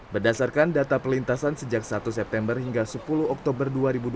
berdasarkan data perlintasan sejak satu september hingga sepuluh oktober dua ribu dua puluh